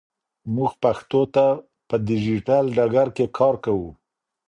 موږ پښتو ته په ډیجیټل ډګر کې کار کوو.